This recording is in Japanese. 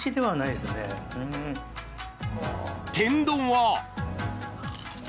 天丼は。